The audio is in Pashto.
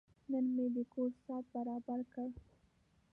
نن مې د کور ساعت برابر کړ.